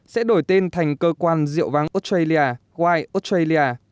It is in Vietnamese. sẽ đổi tên thành cơ quan rượu vang australia wine australia